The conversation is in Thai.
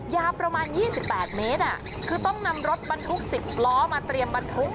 ยาวประมาณ๒๘เมตรคือต้องนำรถบรรทุก๑๐ล้อมาเตรียมบรรทุก